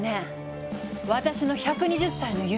私の１２０歳の夢！